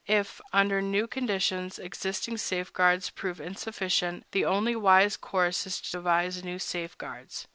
If, under new conditions, existing safeguards prove insufficient, the only wise course is to devise new safeguards.